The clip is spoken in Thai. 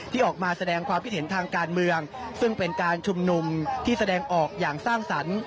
ที่ออกมาแสดงความคิดเห็นทางการเมืองซึ่งเป็นการชุมนุมที่แสดงออกอย่างสร้างสรรค์